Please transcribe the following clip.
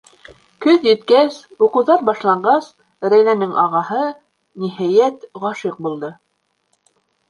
Көҙ еткәс, уҡыуҙар башланғас, Рәйләнең ағаһы, ниһайәт, ғашиҡ булды.